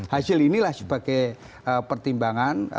hasil inilah sebagai pertimbangan